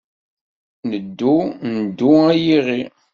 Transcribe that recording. Ndu, ndu ay iɣi.